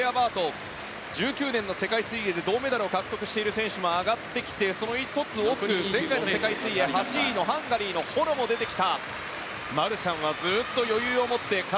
２０１９年の世界水泳で銅メダルを獲得している選手も上がってきてその１つ奥に前回の世界水泳８位のハンガリーのホロも出てきた。